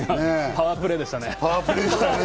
パワープレーでしたね。